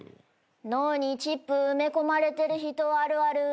脳にチップ埋め込まれてる人あるある。